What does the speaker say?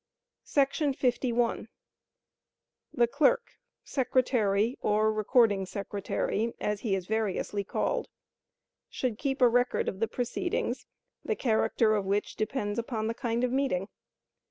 51. The Clerk, Secretary or Recording Secretary, as he is variously called, should keep a record of the proceedings, the character of which depends upon the kind of meeting.